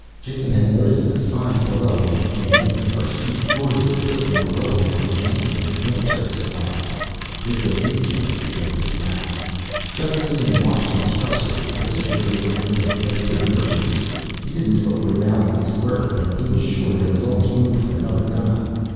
Jason had noticed the signs below when he came in. The first two floors of the building below him were jammed with military supplies. This was his chance to get into the act. Just sitting and watching was frustrating. Particularly when it was a desperate emergency. He didn't overvalue his worth, but he was sure there was always room for another gun.